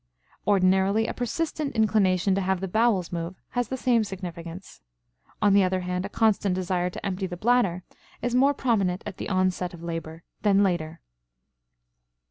Ordinarily a persistent inclination to have the bowels move has the same significance. On the other hand, a constant desire to empty the bladder is more prominent at the onset of labor than later.